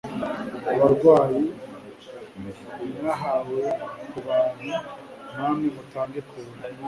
abarwayi, mwahawe ku buntu namwe mutange ku buntu